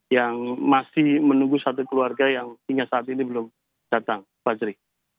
yang masih menunggu satu keluarga yang hingga saat ini belum datang fajri